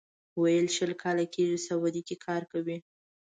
ویل یې شل کاله کېږي سعودي کار کوي.